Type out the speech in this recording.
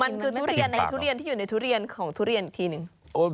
มันคือทุเรียนในทุเรียนที่อยู่ในทุเรียนของทุเรียนอีกทีหนึ่ง